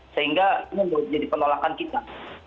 sehingga ini menjadi penolakan kita